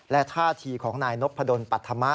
และท่าทีของนายนพดลปัธมะ